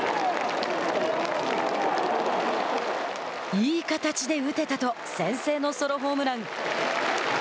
いい形で打てたと先制のソロホームラン。